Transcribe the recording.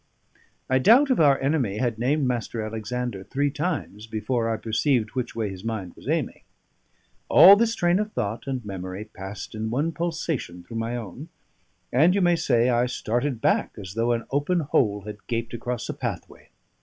I doubt if our enemy had named Mr. Alexander three times before I perceived which way his mind was aiming all this train of thought and memory passed in one pulsation through my own and you may say I started back as though an open hole had gaped across a pathway.